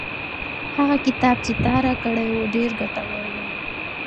هغه کتاب چې تا راکړی و ډېر ګټور و.